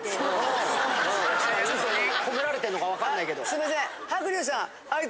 すいません。